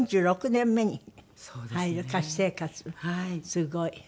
すごい。